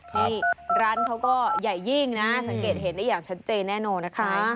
นี่ร้านเขาก็ใหญ่ยิ่งนะสังเกตเห็นได้อย่างชัดเจนแน่นอนนะคะ